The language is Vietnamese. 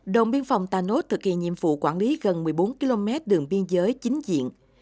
đồng biên phòng tà nốt thực hiện nhiệm vụ quản lý gần một mươi bốn km đường biên giới chính diện